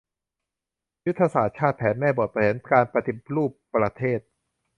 ยุทธศาสตร์ชาติ แผนแม่บท แผนการปฏิรูปประเทศ